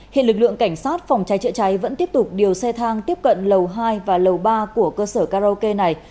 hiện lực lượng cảnh sát phòng cháy chữa cháy vẫn tiếp tục điều xe thang tiếp cận lầu hai và lầu ba của cơ sở karaoke này